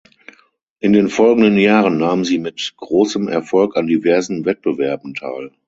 In den folgenden Jahren nahm sie mit großem Erfolg an diversen Wettbewerben teil.